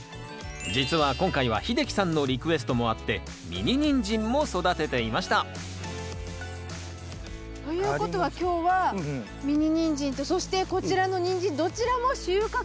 実は今回は秀樹さんのリクエストもあってミニニンジンも育てていましたということは今日はミニニンジンとそしてこちらのニンジンどちらも収穫ができる。